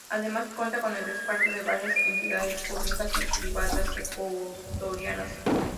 Además cuenta con el respaldo de varias entidades públicas y privadas ecuatorianas.